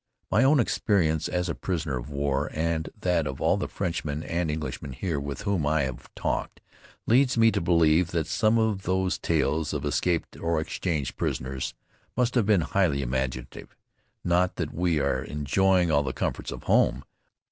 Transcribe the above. My own experience as a prisoner of war and that of all the Frenchmen and Englishmen here with whom I have talked, leads me to believe that some of those tales of escaped or exchanged prisoners must have been highly imaginative. Not that we are enjoying all the comforts of home.